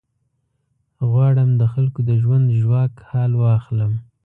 غواړم د خلکو د ژوند ژواک حال واخلم.